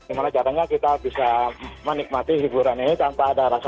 jadi gimana caranya kita bisa menikmati hiburan ini tanpa ada rasa aman